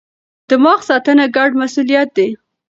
دماغ ساتنه ګډ مسئولیت دی.